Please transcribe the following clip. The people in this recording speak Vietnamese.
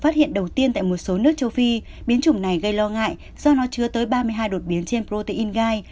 tại một số nước châu phi biến chủng này gây lo ngại do nó chứa tới ba mươi hai đột biến trên protein gai